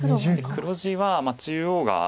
黒地は中央が。